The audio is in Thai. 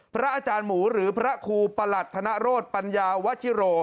พระอาจารย์หมูหรือพระครูประหลัดธนโรธปัญญาวชิโร